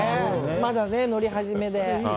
まだ乗り始めで。